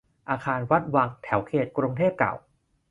อาคาร วัด วัง แถวเขตกรุงเทพเก่า